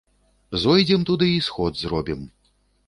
Зойдзем туды й сход зробім.